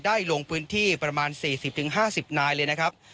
ลงพื้นที่ประมาณ๔๐๕๐นายเลยนะครับ